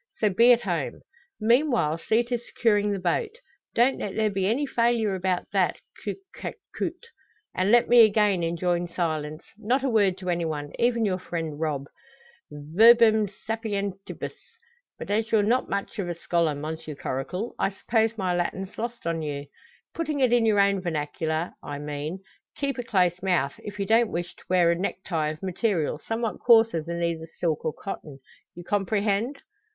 So be at home. Meanwhile, see to securing the boat. Don't let there be any failure about that, coute que coute. And let me again enjoin silence not a word to any one, even your friend Rob. Verbum sapientibus! But as you're not much of a scholar, Monsieur Coracle, I suppose my Latin's lost on you. Putting it in your own vernacular, I mean: keep a close mouth, if you don't wish to wear a necktie of material somewhat coarser than either silk or cotton. You comprehend?"